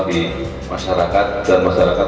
di masyarakat dan masyarakat